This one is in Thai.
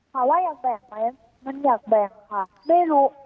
ขอว่าอยากแบ่งไหมมันอยากแบ่งค่ะไม่รู้